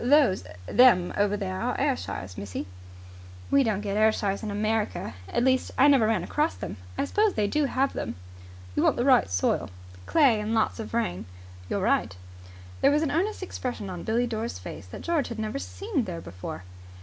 "Those them over there are Ayrshires, missy." "We don't get Ayrshires in America. At least, I never ran across them. I suppose they do have them." "You want the right soil." "Clay and lots of rain." "You're right." There was an earnest expression on Billie Dore's face that George had never seen there before.